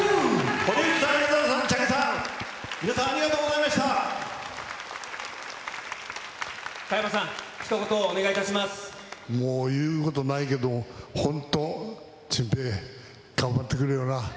堀内孝雄さん、Ｃｈａｇｅさん、皆さん、ありがとうございま加山さん、ひと言お願いいたもう、言うことないけど、本当、チンペイ、頑張ってくれよな。